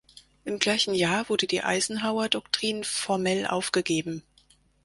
Im gleichen Jahr wurde die Eisenhower-Doktrin formell aufgegeben.